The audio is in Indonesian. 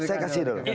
saya kasih dulu